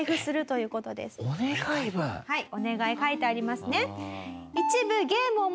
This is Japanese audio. はいお願い書いてありますね。